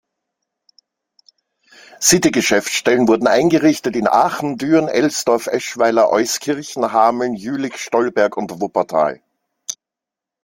City-Geschäftsstellen wurden eingerichtet in Aachen, Düren, Elsdorf, Eschweiler, Euskirchen, Hameln, Jülich, Stolberg und Wuppertal.